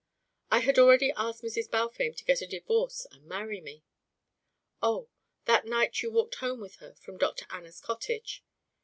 "I had already asked Mrs. Balfame to get a divorce and marry me." "Oh! That night you walked home with her from Dr. Anna's cottage?"